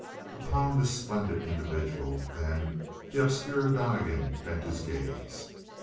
Upon this splendid individual, then, the obscure Donnegan bent his gaze.